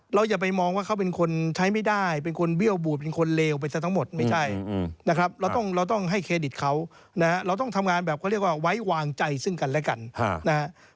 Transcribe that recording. อย่าไปมองว่าเขาเป็นคนใช้ไม่ได้เป็นคนเบี้ยวบูดเป็นคนเลวไปซะทั้งหมดไม่ใช่นะครับเราต้องเราต้องให้เครดิตเขานะฮะเราต้องทำงานแบบเขาเรียกว่าไว้วางใจซึ่งกันและกันนะฮะ